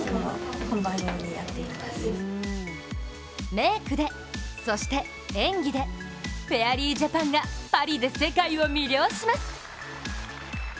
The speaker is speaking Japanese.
メークで、そして演技で、フェアリージャパンがパリで世界を魅了します。